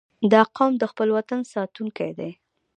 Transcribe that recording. • دا قوم د خپل وطن ساتونکي دي.